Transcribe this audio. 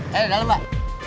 hei ada dalam mbak